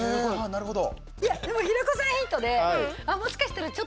なるほど。